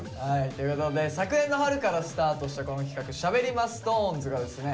ということで昨年の春からスタートしたこの企画「しゃべりまＳｉｘＴＯＮＥＳ」がですね